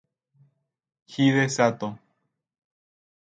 Hide Sato